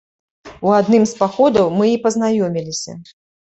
У адным з паходаў мы і пазнаёміліся.